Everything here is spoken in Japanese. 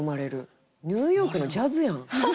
ニューヨークのジャズやん！